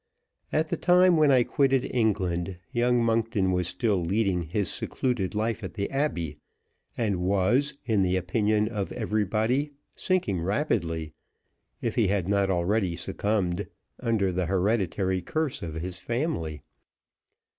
At the time when I quitted England young Monkton was still leading his secluded life at the Abbey, and was, in the opinion of everybody, sinking rapidly, if he had not already succumbed, under the hereditary curse of his family.